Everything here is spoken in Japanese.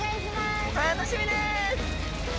楽しみです。